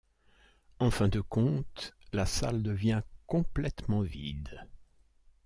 En fin de compte, la salle devient complètement vide.